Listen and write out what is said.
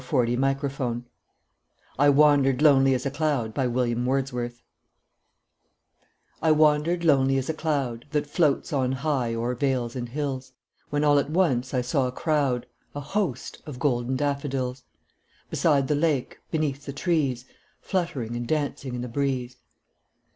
William Wordsworth I Wandered Lonely As a Cloud I WANDERED lonely as a cloud That floats on high o'er vales and hills, When all at once I saw a crowd, A host, of golden daffodils; Beside the lake, beneath the trees, Fluttering and dancing in the breeze.